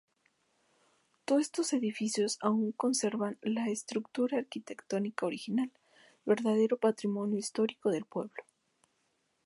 Todos estos edificios aún conservan la estructura arquitectónica original, verdadero patrimonio histórico del pueblo.